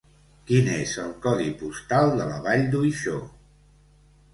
Quin és el codi postal de la Vall d'Uixó?